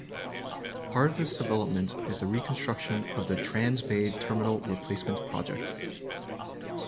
Part of this development is the reconstruction of the Transbay Terminal Replacement Project.